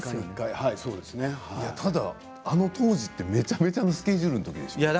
でもあの当時ってめちゃくちゃなスケジュールでしょう。